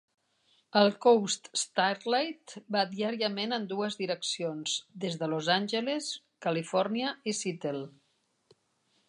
El "Coast Starlight" va diàriament en dues direccions des de Los Angeles, Califòrnia i Seattle.